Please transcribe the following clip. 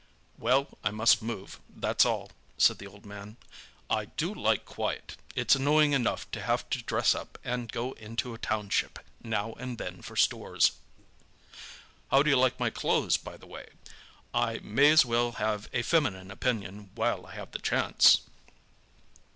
"Well, I must move, that's all," said the old man. "I do like quiet—it's annoying enough to have to dress up and go into a township now and then for stores. How do you like my clothes, by the way? I may as well have a feminine opinion while I have the chance."